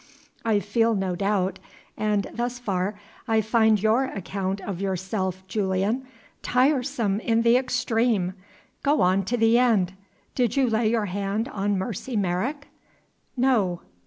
I feel no doubt and, thus far, I find your account of yourself, Julian, tiresome in the extreme. Go on to the end. Did you lay your hand on Mercy Merrick?" "No."